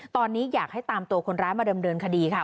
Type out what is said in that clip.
ตอนนี้อยากให้ตามตัวคนร้ายมาเดิมเนินคดีค่ะ